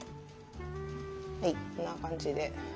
はいこんな感じで。